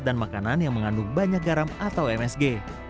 dan makanan yang mengandung banyak garam atau msg